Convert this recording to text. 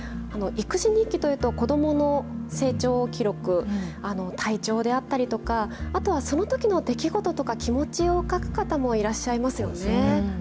育児日記というと、子どもの成長記録、体調であったりとか、あとはそのときの出来事とか、気持ちを書く方もいらっしゃいますよね。